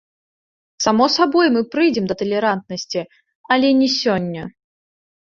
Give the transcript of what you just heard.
Само сабой, мы прыйдзем да талерантнасці, але не сёння.